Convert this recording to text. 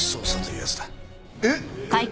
えっ！